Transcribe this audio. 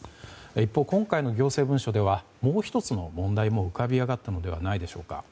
一方、今回の行政文書ではもう１つの問題も浮かび上がったのではないでしょうか。